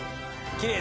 きれい